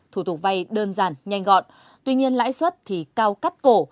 thủ tục vay đơn giản nhanh gọn tuy nhiên lãi suất thì cao cắt cổ